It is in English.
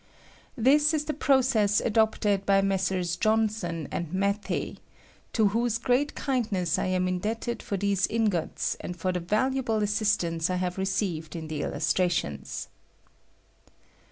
This is the process adopted by Messrs. Johnson and Matthey, to whose great kindness I am indebted for these ingols and for the valuable assistance I have received in the illustrations.